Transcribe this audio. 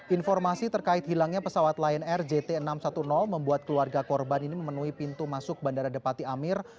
informasi terkait hilangnya pesawat lion air jt enam ratus sepuluh membuat keluarga korban ini memenuhi pintu masuk bandara depati amir